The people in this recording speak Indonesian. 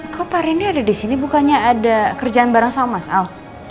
kok pak rendy ada disini bukannya ada kerjaan bareng sama mas al